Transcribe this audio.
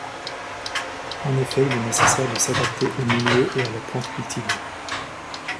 En effet, il est nécessaire de s'adapter au milieu et à la plante cultivée.